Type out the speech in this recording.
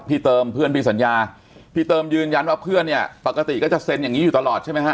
เติมเพื่อนพี่สัญญาพี่เติมยืนยันว่าเพื่อนเนี่ยปกติก็จะเซ็นอย่างนี้อยู่ตลอดใช่ไหมฮะ